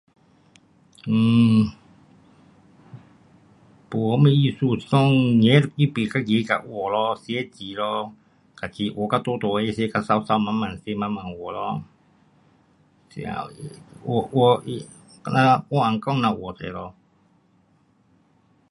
um 没什么艺术，是讲自己拿笔自己画咯。写字咯，自己画到大大个，字写个美美，慢慢写慢慢画咯。这呀，画他，好像画娃娃这样画一下咯。